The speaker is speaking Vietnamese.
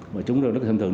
và chúng rất là thân thường